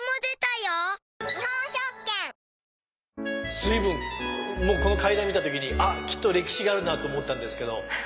随分もうこの階段見た時にきっと歴史があるなと思ったんですけど。